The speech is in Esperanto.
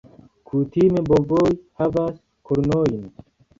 Kutime bovoj havas kornojn.